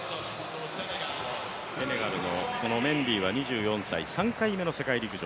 セネガルのこのメンディーは２４歳３回目の世界陸上。